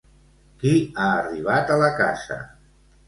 Qui ha arribat a la casa?